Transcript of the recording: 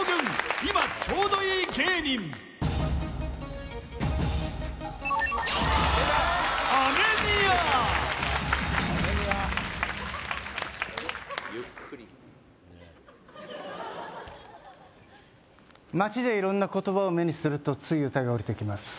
今ちょうどいい芸人街で色んな言葉を目にするとつい歌がおりてきます